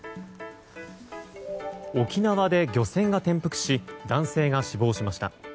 沖縄で漁船が転覆し男性が死亡しました。